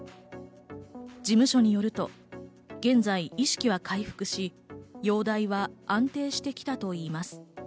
事務所によると、現在、意識は回復し、容態は安定してきたといいます。